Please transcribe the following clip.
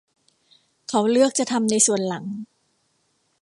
เขาเลือกจะทำในส่วนหลัง